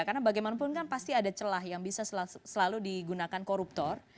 karena bagaimanapun kan pasti ada celah yang bisa selalu digunakan koruptor